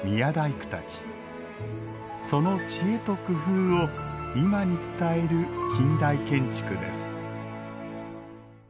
その知恵と工夫を今に伝える近代建築です